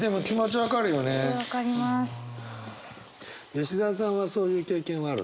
吉澤さんはそういう経験はあるの？